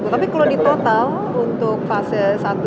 tapi kalau di total untuk fase satu